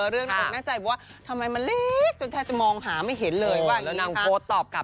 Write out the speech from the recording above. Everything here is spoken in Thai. เรื่องหน้าอกหน้าใจบอกว่าทำไมมันเล็กจนแทบจะมองหาไม่เห็นเลยว่าอย่างนี้นะคะ